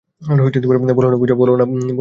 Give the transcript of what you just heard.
বলো না পূজা।